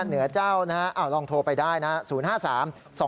เหนือเจ้านะฮะลองโทรไปได้นะ๐๕๓๒